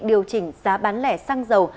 điều chỉnh giá bán lẻ xăng dầu